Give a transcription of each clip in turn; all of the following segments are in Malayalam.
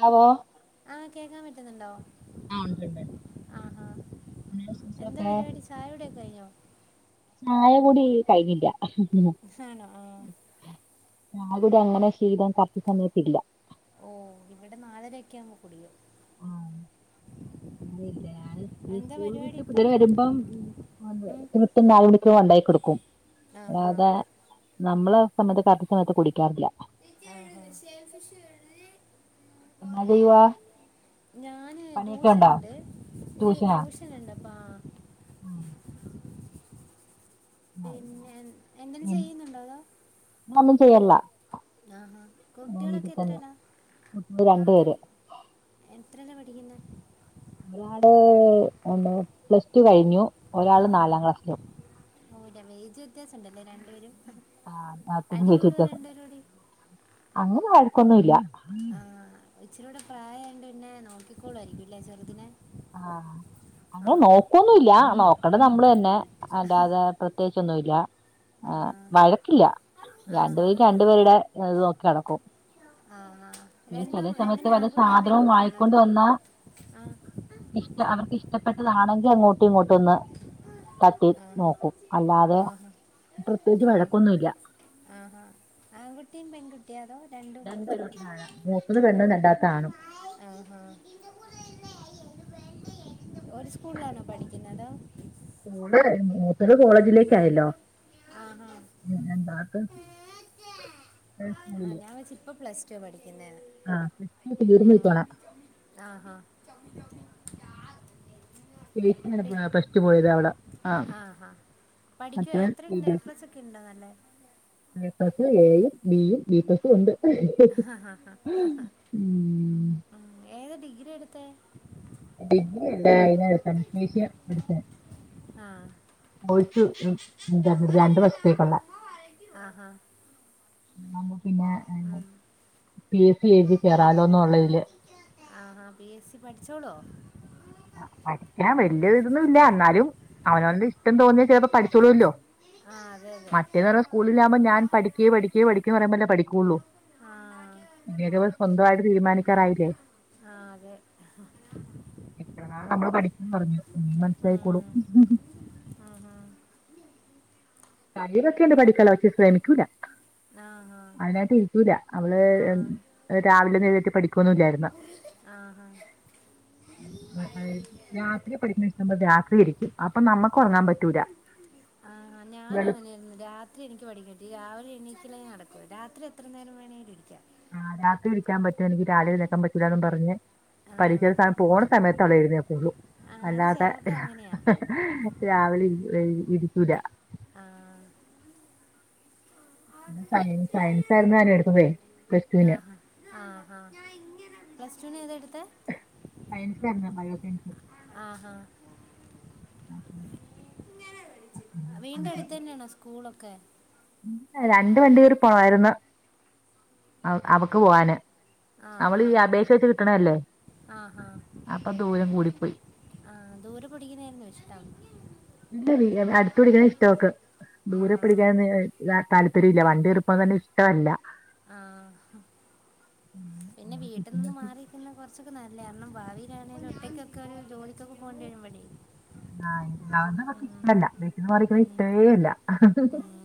ഹലോ ആഹ് കേൾക്കാൻ പറ്റുന്നുണ്ടോ. ആഹ ഉണ്ട് ണ്ട് ആഹാ ന്താ എന്താ വിശേഷോക്കെ പരിപാടി ചായ കുടിയൊക്കെ കഴിഞ്ഞോ ചായകുടി കഴിഞ്ഞില്യ. ആണോ ആ ഞങ്ങൾക്ക് അങ്ങനൊരു ശീലം കർറ്റ് സമയത്തില്ല. ഓഹ് ഇവിടെ നാലര ഒക്കെ അങ്ങ് കുടിയും. അല്ല ഞാൻ ഈ എന്താ സ്കൂള പരിപാടി വിട്ട് ഇപ്പം പിള്ളെര് വരുമ്പം. ഉം, നാലണിക്ക് കൊണ്ടാക്കി കൊടുക്കും ആഹാ ആതെ. നമ്മള് സമയത്ത് കററ്റ് സമയത്ത് കുടിക്കാറില്ല. ഉം ഉം. എന്നാ ചെയ്യുവാ ഞാന് പണിയൊക്കെ ഉണ്ടോ ട്യൂഷ്യനിണ്ട് ഒര് ട്യൂശ്. ത്കണ്ടപ്പാ. ആഹ് ഇല്ല. പിന്നെ എന്താണ് എൻ- ചെയ്യുന്നുണ്ടോ അതോ ഒന്നും ചെയ്യല്ല ആഹ ഹാ ഞാൻ വീട്ടിൽ കുട്ടികളൊക്കെ തന്നെ എത്രല്ലാ? കുട്ടികള് രണ്ടു പേര് എത്രലാ പഠിക്കുന്നേ ഒരാള് എന്താ പ്ലസ് ടു കഴിഞ്ഞു ഒരാള് നാലാം ക്ലാസ്സിലാ ഓല്ലേ വൈജു വ്യത്യാസം ഉണ്ടല്ലേ രണ്ടുപേരും അടി കൂടുവോ ആഹ് രണ്ടുപേരും കൂടി അങ്ങനെ വഴക്കൊന്നും ഇല്ല ആഹ് ഇച്ചിരൂടെ പ്രായയോണ്ട് പിന്നെ നോക്കിക്കോളായിരിക്കുല്ലേ ചെറുതിനെ ആഹ് ആ അങ്ങനെ നോക്കൊന്നും ഇല്ല നോക്കണത് നമ്മള് തന്നെ അല്ലാതെ പ്രത്യേകിച്ചൊന്നുല്ല ആ ഹ് വഴക്കില്ല ആ രണ്ട് ആ പേരും രണ്ട് ണ്ട് പേരുടെ ഇത് നോക്കി നടക്കും ആ ആഹ് പിന്നെ ചില സമയത്ത് വല്ല സാധനവും അതോ വാങ്ങിക്കൊണ്ട് വന്നാ ആ ഇഷ്ട അവർക്ക് ഇഷ്ട്ടപ്പെട്ടതാണെങ്കിൽ അങ്ങോട്ടും ഇങ്ങോട്ടും ഒന്ന് താ ട്ടി നോക്കും ആ അല്ലാതെ ആ പ്രത്യേകിച്ച് ആ വഴക്കൊന്നുല്ല ആ ആഹ് ആൺ കുട്ട് കുട്ടീം പെൺകുട്ടി അതോ രണ്ട് രണ്ടും പേരുണ്ട് [unintelligible] മൂത്തത് പെണ്ണും രണ്ടാമത്തെ ആണും ആ ആഹ് ഒരു സ്കൂളിലാണോ പഠിക്കുന്നത് മൂത്തത് മൂത്തത് കോളേജിലേക്ക് ആയല്ലോ ആ ആഹ് പിന്നെ രണ്ടാമത്തത് ആ ഞാൻ വെച്ച് ഇപ്പ പ്ലസ് ടു പഠിക്കുന്നെന്ന് ആഹ് [unintelligible] ആ ആഹ് സ്‌റ്റേറ്റ് തന്നെ ഇപ്പഴാ ഫസ്റ്റ് പോയത് അവള് പഠികുവോ മറ്റവൻ എത്ര സി ഇണ്ട് ബി എ എസ് പ്ലസ് ഒക്കെ ഉണ്ടോ നല്ലേ എ പ്ലസ് എയും ബി യും ബി പ്ലസും ഉണ്ട് ഉം ഏത് ഡിഗ്രി എടുത്തേ ഡിഗ്രി അല്ല അയിന് അനസ്തേഷ്യ എടുത്തെ ആഹ് കോഴ്സ് എടു എന്താണ് രണ്ടു വർഷത്തേക്കുള്ളേ ആ ആഹ് ഇതാവുമ്പോ പിന്നെ ഉം. പി എ സി എഴുതി കയറാലോന്നോള്ളെ ഇതില് ആ ആഹ് പി എസ് സി പഠിച്ചോളോ ആഹ് ആ പഠിക്കാൻ വലിയ ഇതൊന്നും ഇല്ല എന്നാലും അവനവൻ്റെ ഇഷ്ട്ടം തോന്നിയാൽ ചെലപ്പം പഠിച്ചോളൂല്ലോ ആ അതെ അതെ റ്റേന്ന് പറയുമ്പം സ്കൂളിലാവുമ്പോ ഞാൻ പഠിക്കേ പഠിക്കേ പഠിക്കേന്നും പറയുമ്പല്ലേ പഠികൊള്ളൂ ആ എന്തേലും ഒക്കെ സ്വന്തമായിട്ട് തീരുമാനിക്കാറായില്ലേ ആ അതെ ഇത്രങ്ങളും നമ്മള് പഠിക്ക്ന്ന് പറഞ്ഞു ഇനി മനസ്സിലായിക്കോളും ഉം. ആഹാ കഴിവൊക്കെയുണ്ട് പഠിക്കാനോള്ളേ പക്ഷേ ശ്രമിക്കൂല്ല ആ ആഹ് അതിനായിട്ട് ഇരിക്കൂല അവള് രാവിലെ ഒന്നും എഴുന്നേറ്റ് പഠിക്കൊന്നില്ലായിരുന്ന് ആ ആഹ് രാത്രി പഠിക്കുന്നഷ്‌ട്ടം രാത്രി ഇരിക്കും അപ്പൊ നമ്മക്ക് ഒറങ്ങാൻ പറ്റൂല ആഹ് ഞാനും വെളു- അങ്ങനെയായിരുന്നു രാത് ത്രി എനിക്ക് പഠിക്ക രാവിലെ എണിക്കല് നടക്കുല രാത്രി എത്ര നേരം വേണെലും ഇരിക്ക ആഹ് രാത്രി ഇരിക്കാ പറ്റും എനിക്ക് രാവിലെണീക്കാൻ പറ്റൂല്ലന്നും പറഞ്ഞ് ആ. പഠിക്ക പോണ സമയത്തവിടെ അവൾ എഴുന്നേൽകൊള്ളു ആ, അത് അല്ലാതെ ചിലർക്ക് അങ്ങനെയാ രാവിലെ വൈകീട്ടും ഇരിക്കൂല ആഹ് സയൻ സയൻസായിന്നു അവന് എടുത്തതേ പ്ലസ് ടുവിന് ആഹ് ആഹ് ആഹ് ആഹ് പ്ലസ് ടുന് ഏതാ എടുത്തെ സയൻസ് ആയിരുന്നു ബയോ സയൻസ് ആഹ് ആഹ് [inaudible] വീടിന്റെ അടുത്ത് തന്നെയാണോ സ്കൂളൊക്കെ രണ്ട് വണ്ടിര് പോവായിരുന്നു അവ അവക്ക് പോവാന് നമ്മൾ ആഹാ ഈ അപേക്ഷ വെച്ച് കിട്ടണല്ലേ അപ്പൊ ദൂരം കൂടിപ്പോയി ആഹ് ദൂരെ പഠിക്കുന്നായിരുന്നോ ഇഷ്ടം ഇല്ല അതാ അടുത്ത് ഞാൻ പഠിക്കണ ഇപ്പൊ ഇഷ്ടമവൾക്ക് ചെയ്തത് ദൂരെ പഠിക്കാ ആ ല്ല താല്പര്യം ഇല്ല വണ്ടി കേറി പോണേ ഇഷ്ടല്ല ആഹ് പിന്നെ വീട്ടിൽ നിന്ന് കിട്ടുന്നിട്ട് മാറിയിരിക്കുന്ന കൊറച്ചൊക്കെ നല്ല കാരണം ഭാവിയിലാണേലും ഒറ്റക്കൊക്കെ ഒരു ജോലിക്കൊക്കെ പോകണ്ടി വരുംമ്പാഴേ ആഹ് നക്ക് ഇഷ്ടല്ല വീട്ടിന്ന് മാറി നിക്കുന്നത് ഉം. ഇഷ്ടേല്ല ഉം.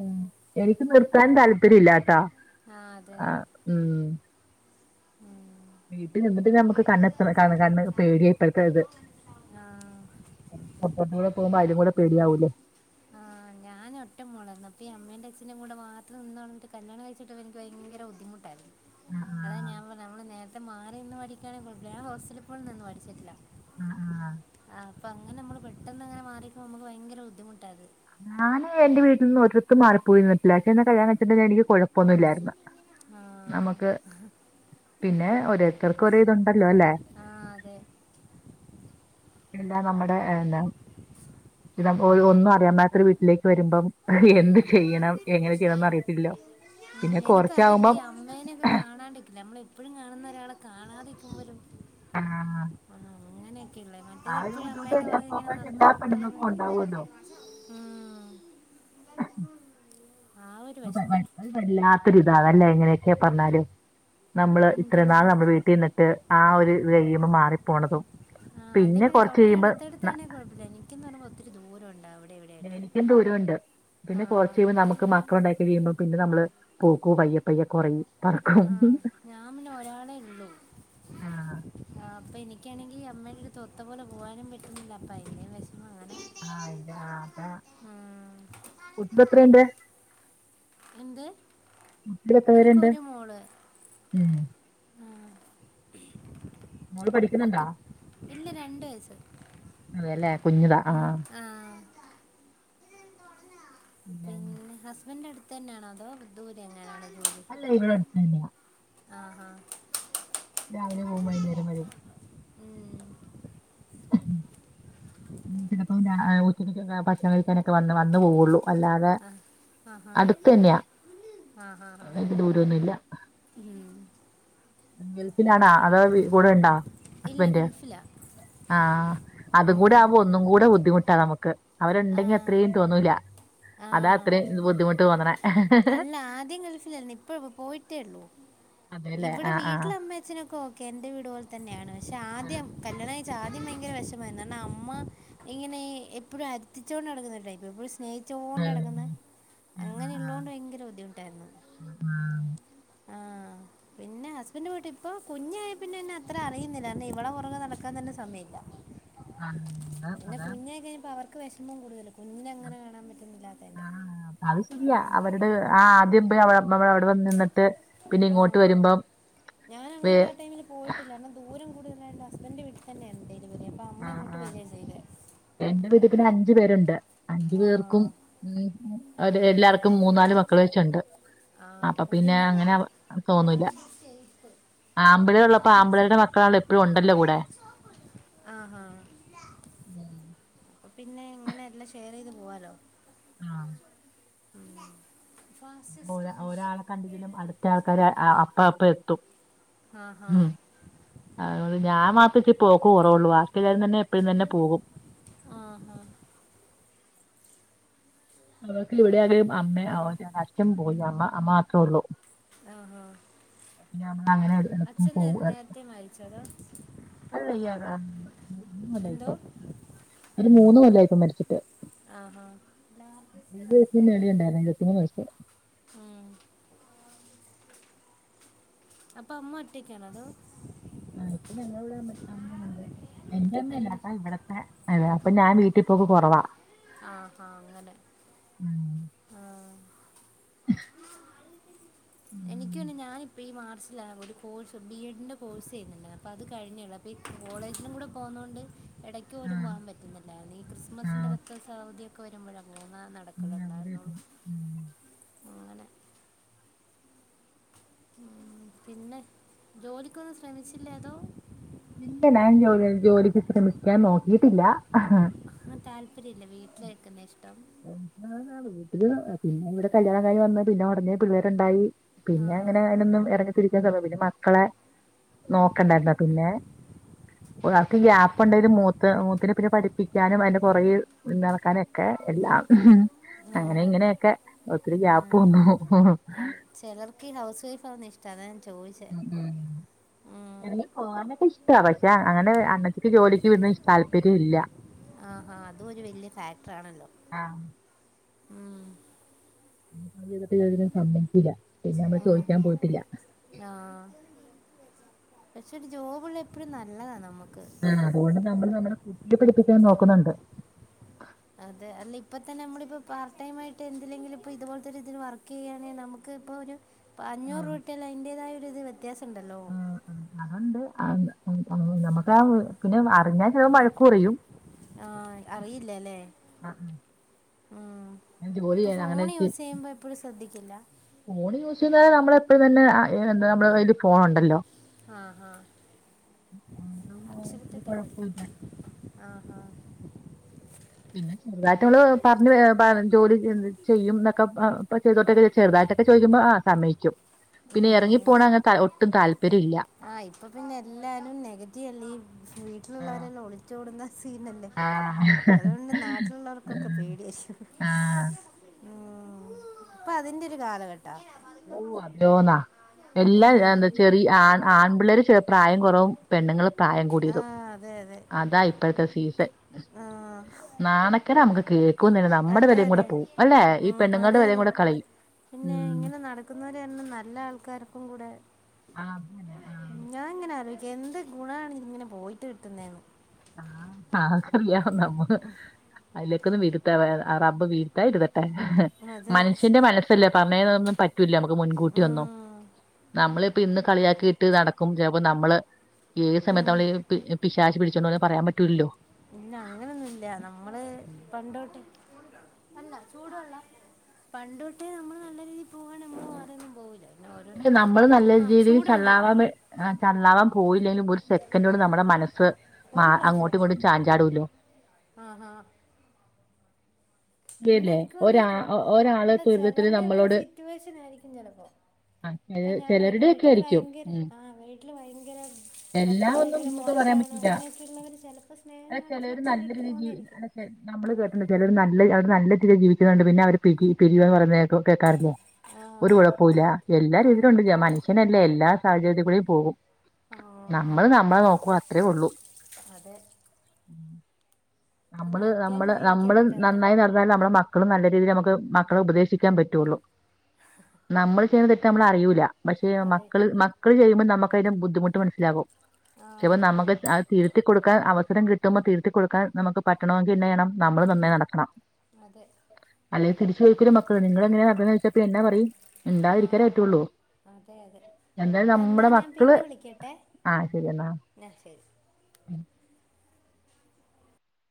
ഉം എനിക്കും നിർത്താൻ താല്പര്യം ഇല്ലട്ടാ ആ അതെ അതെ ആഹ് ഉം ഉം വീട്ടിൽ നിന്നിട്ട് നമുക്ക് കണ്ണെത്ത അതിനൊരു ക കണ്ണ് പേടിയ ഇപ്പോഴത്തെത് ആഹ് പൊറത്ത് കൂടെ പോകുമ്പോ അതിലും കൂടെ പേടിയാവൂലേ ആഹ് ഞാന് ഒറ്റ മോളാ എന്നിട്ട് ഈ അമ്മയും അച്ഛൻ്റെയും കൂടെ മാത്രം നിന്ന് പറഞ്ഞിട്ട് കല്യാണം കഴിച്ചിട്ട് എനിക്ക് ബുദ്ധിമുട്ടായിരുന്നു അതാ ഞാൻ പറഞ്ഞ് നമ്മള് നേരത്തെ മാറി നിന്ന് പഠിക്കാണെങ്കിൽ കൊഴപ്പല്ല ഞാൻ ഹോസ്റ്റലിൽ പൊലും നിന്ന് പഠിച്ചിട്ടില്ല ആഹ് ആഹ് ആഹ് അപ്പൊ അങ്ങനെ നമ്മള് പെട്ടെന്ന് അങ്ങനെ മാറി നിക്കുമ്പം നമുക്ക് ഭയങ്കര ബുദ്ധിമുട്ടാത് ഞാന് എന്റെ വീട്ടിൽ നിന്ന് ഒരിടത്തും മാറി പോയി നിന്നിട്ടില്ല പക്ഷെ എന്നെ കഴിച്ചോണ്ട് എനിക്ക് കൊഴപ്പൊന്നുംല്ലായിരുന്നു ആ നമുക്ക് പിന്നെ ഒരോരുത്തർക്ക് ഒരോ ഇതുണ്ടല്ലോ അല്ലെ ആഹ് അതെ അല്ലാ നമ്മുടെ എന്താ ഒന്നും അറിയാൻ പാടില്ലാത്ത വീട്ടിലേക്ക് വരുമ്പം എന്ത് ഉം. ചെയ്യണം എങ്ങനെ ചെയ്യണംന്ന് അറിയത്തില്ല ഉം, പിന്നെ കൊറച്ചാകുമ്പം നമ്മള് എപ്പോഴും കാണുന്ന ഒരാളെ കാണാതിരിക്കുമ്പൊരു ആ അഹ് അങ്ങനെ ത്തെ മറ്റെ ആ ഒരു എപ്പഴും ബുദ്ധിമുട്ട് അമ്മേന്റെ പുറകേ ഇങ്ങനെ സ്വാഭാവികമായിട്ട് നടന്ന് എല്ലാ നടന്ന് നടന്ന് പെണ്ണുങ്ങൾക്കും ഉണ്ടാവുമല്ലോ ഉം ആ ഒരു വെഷമം അത് വല്ലാത്തൊരിതാല്ലേ അതല്ല എങ്ങനെയൊക്കെ പറഞ്ഞാലു. നമ്മള് ഉം, ഇത്രയും പിന്നെ നാള് നമ്മള് വീട്ടിൽ നിന്നിട്ട് ആ ഒരു ഇത് കയ്യുമ്പം മാറിപ്പോണതും ആഹ് അല്ലേ പിന്നെ കുറച്ച് കഴിയുമ്പോ തൊട്ടടുത്തടുത്താണങ്കിൽ കൊഴപ്പല്ല എനിക്കന്ന് പറയുമ്പോ ഒത്തിരി ദൂരണ്ട് അവിടെ ഇവിടെയായിട്ട് നിക്കും ദൂരണ്ട് പിന്നെ കൊറച്ച് കഴിയുമ്പം നമുക്ക് മ മക്കള് ഇണ്ടായി കയ്യിമ്പോൾ പിന്നെ നമ്മള് പോക്കും പയ്യപ്പയ്യ കൊറയും ആഹ് ഞാൻപിന്നെ ഒരാളെ ഉള്ളൂ ആ ആഹ് അപ്പൊ എനിക്കാണെങ്കിൽ അമ്മയുടെടുത്ത് ഒത്ത പോലെ പോവാനും പറ്റുന്നില്ല അപ്പം അതിൻ്റെ ഒരു വിഷമം അങ്ങനെ ആഹ് ഇത് അതെ ഉം. കുട്ട്യേൾ എത്രണ്ട് എന്ത് മക്കള് എത്ര പേരുണ്ട് എനിക്കൊരു മോള് ഉം ആ, മോള് പഠിക്കുന്നുണ്ടാ ഓക്കെ ഇല്ല രണ്ട് വയസ്സ് അതെല്ലേ കുഞ്ഞിതാ ഉം ആഹ് ആഹ് പിന്നെ ഹസ്ബൻന്റ് അടുത്ത്ന്നാണോ അതോ ദൂരെ എങ്ങാനുവാണോ ജോലി ഇല്ല ഇവിടെ അടുത്തന്നെയാ ആഹാ രാവിലെ പോവും വൈന്നേരം വരും ഉം ഉം പിന്നെപ്പോ രാ അയോ ഉച്ചക്കൊക്കെ ഭക്ഷണം കഴിക്കാനൊക്കെ വന്ന് വന്ന് പോവുള്ളൂ അല്ലാതെ ആ ആഹാ അടുത്തന്നെയാ വല്ല്യ ദൂരൊന്നുവില്ല ഉം ഗൾഫിലാണോ അതോ വി കൂടെ ഇണ്ടോ ഇല്ല ഹസ്ബന്റ് ഗൾഫിലാ ആഹ് അതും കൂടെ ആവുമ്പോ ഒന്നും കൂടെ ബുദ്ധിമുട്ടാ നമുക്ക് ആ അവരുണ്ടെങ്കി അത്രയും തോന്നൂല ആ അതാ ആ അത്രയും ബുദ്ധിമുട്ട് തോന്നണേ അല്ല ആദ്യം ഗൾഫിലായിരുന്നു ഇപ്പം പോയിട്ടേ ഉള്ളൂ അതെല്ലേ ഇവിടെ ആഹ് ആഹ് വീട്ടില് അമ്മ അച്ഛനൊക്കെ ഓക്കെയാ എൻ്റെ വീട് പോലെ തന്നെയാണ് പക്ഷെ ആഹ് ആദ്യം കല്യാണം കഴിച്ച ആദ്യം ഭയങ്കര വിഷമായിരുന്നു കാരണം അമ്മ ഇങ്ങനെ എപ്പഴും അരുത്തിചോണ്ട് നടക്കുന്ന ഒരു ടൈപ്പ് എപ്പഴും സ്നേഹി ചോണ്ട് നടക്കുന്നെ അങ്ങനെയുള്ളോണ്ട് ഭയങ്കര ബുദ്ധിമുട്ടായിരുന്നു ഉം പാ ആഹ് പിന്നെ ഹസ്ബന്റ് വീട്ട് ഇപ്പൊ കുഞ്ഞായേ പിന്നെന്നെ അത്ര അറിയുന്നില്ലാരുന്നു ഇവളെ പുറകെ നടക്കാൻ തന്നെ സമയല്ല അന്ന് അതാ ഞാൻ കഴിയുമ്പ അവർ ക്ക് വിഷമം കൂടുതല് കുഞ്ഞിനെ അങ്ങനെ കാണാൻ പറ്റുന്നില്ലാത്തന്റെ ആഹ് അത് ശരിയാ ഉം അവരുടെ ആ ഉം ആദ്യം പോയി അവടെ നമ്മള് അവടെ വന്ന് നിന്നിട്ട് പിന്നെ ഇങ്ങോട്ട് ആഹ് വരുമ്പം ഞാൻ വേ അങ്ങോട്ട് ആ ടൈമില് പോയിട്ടില്ലാരുന്നു ദൂരം കൂടുതലായോണ്ട് ഹസ്ബന്റിന്റെ വീട്ടി തന്നെയായിരുന്നു ഡെലിവറി അപ്പോ അമ്മ ആഹ് ഇങ്ങോട്ട് ആഹ് വരിയ ചെയ്തേ എന്റെ വീട്ടി പിന്നെ അഞ്ചു പേരുണ്ട് അഞ്ചു പേർക്കും ആഹ് ഉം ഉം അവര് എല്ലാർക്കും മൂന്നാല് മക്കള് വെച്ചുണ്ട് അപ്പൊ പിന്നെ അങ്ങനെ തോന്നുല്ല ലാർജ് സ്റ്റേപ്പ് ആമ്പിള്ളേര് ഉള്ളപ്പോ ലാർജ് ആമ്പിള്ളേരുടെ സ്റ്റേപ്പ് മക്കളാണല്ലൊ എപ്പഴും ഉണ്ടല്ലോ കൂടെ ആഹാ ഉം അപ്പപിന്നെ ഇങ്ങനെ എല്ലാം ഷെയറയ്ത് പോവാലോ ആഹ് ഉം അമ്മാറിയ ഒരാളെ കണ്ടിലേലും അടുത്ത ആൾക്കാര് ആ അപ്പം അപ്പ എത്തും ആഹാ ഉം അതുകൊണ്ട് ഞാൻ മാത്ര ഇച്ച് പോക്ക് കുറവുള്ളൂ ബാക്കി എല്ലാരും തന്നെ എപ്പഴും തന്നെ പോകും ആഹ് ഹാ അവൾക് എവിടെയായ്ലും അമ്മ [unintelligible] അച്ചൻ പോയി അമ്മ അമ്മ മാത്രേള്ളു ആഹാ പിന്നെ ഞമ്മള് അങ്ങനെ എടക്കും അച്ഛൻ നേ- പോകാർ നേരത്തെ മരിച്ചോ അതോ മഴ എന്തോ [unintelligible] പിന്നെ മൂന്ന് കൊല്ലായി ഇപ്പോ മരിച്ചിട്ട് ആഹാ ലാർജസ്റ്റ് എഴുപത് വയസിനു റെസ്റ്റായി മേളി ഉണ്ടായിരുന്നു എഴുപത്തിമൂന്ന് വയസ്സ് ഉം [unintelligible] അപ്പം അമ്മ ഒറ്റയ്ക്കാണോ അവടെ ആഹ് ഇപ്പം ഞങ്ങടെ ഇവിടെ അമ്മ അമ്മയോണ്ട് എന്ത് എന്റെമ്മല്ലാട്ടാ ഇവിടത്തെ അതാ അപ്പൊ ഞാൻ വീട്ടിപ്പോക്ക് കൊറവാ ആഹാ അങ്ങനെ ഉം ആഹ് എനിക്കൊണ്ട് ഞാനിപ്പ ഈ മാർച്ച് ലാ ഒരു കോഴ്സ് ബി എഡിൻ്റെ കോഴ്സ് ചെയ്യുന്നുണ്ട് അപ്പോ അത് കഴിഞ്ഞേള്ളൂ അപ്പോൾ ഈ കോളേജിലും കൂടെ പോകുന്നോണ്ട് എടയ്ക്ക് പോലും ആഹ് പോകാൻ പറ്റുന്നില്ലായിരുന്നു ഈ ക്രിസ്മസിൻ്റെ ആഹ് പത്തു ദിവസ അവധിയൊക്കെ വരുമ്പഴാ പോവുന്നെ ഇനി അവിടെ നടക്കുന്നുണ്ടായിരുന്നുള്ളൂ എത്തണം ഉം. ഉം പിന്നെ ജോലിക്കൊന്നും ശ്രമിച്ചില്ലേ അതോ ഇല്ല ഞാൻ ജോലി ജോലിക്ക് ശ്രമിക്കാൻ നോക്കിയിട്ടില്ല അതൊന്നും താല്പര്യം ഇല്ല വീട്ടില് നിക്കുന്നാ ഇഷ്ടം വീട്ടില് പിന്നെ ഇവിടെ കല്ല്യാണം കഴിഞ്ഞ് വന്ന് പിന്നെ ഉടനെ പിള്ളേരുണ്ടായി ആ പിന്നെ അങ്ങ നെ ഒന്നും ഇറങ്ങിത്തിരിക്കാൻ സമയല്ല പിന്നെ മക്കളെ നോക്കണ്ടെ എന്നാ പിന്നെ ഒരാൾക്ക് ഗ്യാപ്പ് ഉണ്ടേലും മൂത്ത മൂത്തിനെ പിന്നെ പഠിപ്പിക്കാനും അതിന്റെ പുറകിൽ നടക്കാനും ഒക്കെ എല്ലാം അങ്ങനെ ആ, ഇങ്ങനെയൊക്കെ ഒത്തിരി ഗ്യാപ്പ് വന്നു ചെലർക്ക് ഈ ഹൗസ് വൈഫ് ആവുന്ന ഇഷ്ടാ അതാ ഞാൻ ചോയ്ച്ചേ എനിക്ക് പോകാനൊക്കെ ഇഷ്ടാ പക്ഷെ അങ്ങനെ അണ്ണച്ചിക്ക് ജോലിക്ക് വിടുന്ന താല്പര്യം ഇല്ല ആഹാ അതും ഒരു വല്യ ഫാക്ടർ ആണല്ലോ ആഹ് ഉം [inaudible] സമ്മയ്ക്കില്ല പിന്നെ നമ്മള് ചോയ്ക്കാൻ പോയിട്ടില്ല ആഹ് പക്ഷെ ഒരു ജോബുള്ള എപ്പഴും നല്ലതാ നമുക്ക് ആ അതുകൊണ്ട് നമ്മള് നമ്മളെ കുട്ടിയെ പടിപ്പിക്കാൻ നോക്കുന്നുണ്ട് അതെ അല്ല ഇപ്പ തന്നെ നമ്മടെ ഇപ്പ പാർട്ട് ടൈംയിട്ട് എന്തിലെങ്കിലും ഇപ്പം ഇതുപോലത്തൊരു ഇതിൽ വർക്ക് ചെയ്യുകയാണെ നമു ക്ക് ഇപ്പോ ഒരു അഞ്ഞൂറ് ആഹ് രൂപ കിട്ടിയാലും അയ്ന്റേതായ ഒരു ഇത് വ്യത്യാസം ഇണ്ടല്ലോ ഉണ്ട് ആഹ് നമുക്ക് ആ പിന്നെ അറിഞ്ഞാൽ ചിലപ്പം വഴക്ക് പറയും ആഹ് അറിയില്ലല്ലേ ആഹ് ആഹ് ആഹ് ജോലി ഇപ്പൊ ചെയ്യാൻ ഫോൺ യൂസ് ചെയ്യുമ്പോ എപ്പഴും ശ്രദ്ധിക്കില്ല ഫോൺ യൂസ് ചെയ്യുന്നൽ നമ്മള എപ്പഴും തന്നെ എന്താ നമ്മളെ കയ്യില് ഫോൺ ഉണ്ടല്ലോ ആഹ് ആഹ് അതുകൊണ്ട് അത് ഒരു കുഴപ്പമില്ല [unintelligible] ആഹ് ആഹ് പിന്നെ ചോ ചെറുതായിട്ട് നമ്മള് പറഞ്ഞ ജോലി ചെയ്യും എന്നൊക്കെപ്പൊ ഇപ്പ ചെയ്തോട്ടെ ചോ ചെറുതായിട്ടൊക്കെ ചോയ്ക്കുമ്പോ ആ സമ്മയ്ക്കും ഉം പിന്നെ എറങ്ങിപ്പോണ അങ്ങനത്തെ ഒട്ടും താല്പര്യം ഇല്ല ആഹ് ഇപ്പൊ പിന്നെ എല്ലാരും നെഗറ്റീവ് അല്ലേ വീട്ടില് ആഹ് എല്ലാരും ഒളിച്ചോടുന്ന സീനല്ലേ അതോണ്ട് നാട്ടിലുള്ളവർക്കൊക്കെ പേടിയാ ആഹ് ഊം ഇപ്പൊ അതിന്റെ ഒരു കാലഘട്ടാ ഓഹ് അതെയോന്നോ എല്ലാ ഉം. എന്താ ചെറിയ ആൺ ആൺപിള്ളേര് ചെ പ്രായം കുറവും പെണ്ണുങ്ങള് പ്രായം ആ കൂടിയതും അതെ അതെ അതാ ഇ ഇപ്പഴത്തെ സീസൺ ആ നാണക്കേടാ നമുക്ക് കേ ക്കുന്നെന്നെ നമ്മുടെ അതെ വിലയും കൂടെ അതെ പോവും അല്ലെ ഈ ഉം, പെണ്ണുങ്ങളുടെ അതെ വിലയും കൂടെ കളയും ഉം ക്കുന്നവരന്നെ നല്ല ആൾക്കാർക്കും കൂടെ ആഹ് [unintelligible] ഞാൻ ഇങ്ങനെ ആലോയ്ക്ക എന്ത് ഗുണാണ് ഇങ്ങനെ പോയിട്ട് കിട്ടുന്നെന്ന് ആഹ് ആർക്കറിയാ നമ്മക്ക് അയ്ലേക്കൊന്ന് വിരുത്ത റബ്ബ് വീത്താതെ ഇരി അതെ മനുഷ്യന്റെ മനസ്സല്ലേ പർഞ്ഞേനൊന്നും പറ്റൂല നമുക്ക് മുൻകൂട്ടി ഒന്നും ഉം. നമ്മള് ഇപ്പ ഇന്ന് കളിയാ‌ക്കിട്ട് നടക്കും ചെപ്പോ നമ്മള് ഏത് ഉം. സമയത്താ നമ്മള് പി പിശാച് പിടിച്ചോണ്ട് പോവാ പറയാൻ പറ്റൂലല്ലോ പിന്നെ അങ്ങനൊന്നുല്ല നമ്മള് പണ്ട് തോട്ടേ അല്ല ചൂടുള്ള പണ്ട് തോട്ടേ നമ്മള് നല്ല രീതില് പോവാണെ [unintelligible] പോകൂല പക്ഷെ നമ്മള് നല്ല രീതീല് ചള്ളാവാന്ന് ആ ചള്ളാവാൻ പോയില്ലെലും ഒരു സെക്കന്റോണ്ട് നമ്മുടെ മനസ്സ് മാ ഒരു അങ്ങോട്ടും ഇങ്ങോട്ടും ചാഞ്ചാടുല്ലോ ആഹ് ആഹ് പ്പ്യല്ലേ എനിക്ക് ഒരാ തോന്നുന്നു കുറേ ഒരാള് അല്ല ദുരിതത്തില് ചിലരുടെയൊക്കെ നമ്മളോട് സിറ്റുവേഷൻ ആയിരിക്കും ചിലപ്പോൾ ആഹ് ചെല ഇപ്പം ഞാൻ പറയാം ചെലരുടെയൊക്കെ വീട്ടിൽ ആയിരിക്കും ഭയങ്കര ഉം ആ വീട്ടിൽ ഭയങ്കര എല്ലാ ഭർത്താവ് ഒന്നും ഭയങ്കര നമുക്ക് പറയാൻ പ മോശമാണ് ല്ലാ അങ്ങനെയൊക്കെ ഉള്ളവർ ചിലപ്പോൾ സ്നേഹം ന്താച്ചാല് കാണിച്ച് ഒരു നല്ല വരുന്നവരടുത്ത് പോകുന്നതായിരിക്കും [unintelligible] നമ്മള് കേട്ട്ണ്ട് ചെലര് നല്ല അവര് നല്ലതില് ജീവിക്കുന്നുണ്ട് പിന്നെ അവര് പിരി പിരിയുകന്ന് പറയുന്നൊക്കും കേക്കാറില്ലേ ആ ഒരു അതെ കൊഴപ്പുല്ല ആ എല്ലാരീതിയിലും ഉണ്ട് മനുഷ്യനല്ലേ എല്ലാ സാഹചര്യത് കൂടിം പോകും ആഹ് നമ്മള് നമ്മളെ നോക്കും അത്രേ ഒള്ളൂ അതെ ഇപ്പം അമ്മള് നോക്കിയാലും അമ്മള് ജീവിക്കാൻ നമ്മള് പറ്റാതാ നന്നായി [unintelligible] ന്നാല് നമ്മളെ മക്കള് നല്ല രീതീല് ഞമ്മക്ക് മക്കളെ ഉപദേശിക്കാൻ പറ്റുള്ളു നമ്മള് ചെയ്ത തെറ്റ് നമ്മള് അറിയൂല പക്ഷേ അതെ മക്കള് മക്കള് ചെയ്യുമ്പ നമ്മക്കയ്ന്റെ ബുദ്ധിമുട്ട് മനസ്സിലാകും ആ ക്ഷെപ്പ നമ്മക്ക് ആഹ് തിരുത്തി കൊടുക്കാൻ അവസരം കിട്ടുമ്പം തിരുത്തി കൊടുക്കാൻ നമുക്ക് പറ്റണമെങ്കിൽ എന്നാ ചെയ്യണം നമ്മള് നന്നായി നടക്കണം അതെ അല്ലെങ്കി തിരിച്ച് ചോയ്ക്കൂലേ മക്കള് നിങ്ങള് എങ്ങനെ നടന്നീന്യേ ചോയ്ച്ച പ്പെന്നാ പറയും ആ മിണ്ടാതിരിക്കല്ലേ പറ്റൊള്ളൂ അതെ അതെ എടാ ന്നാ ഞാൻ മക്കള് പിന്നെ വിളിക്കട്ടെ ആ ശരി എന്നാ ന്നാ ശെരി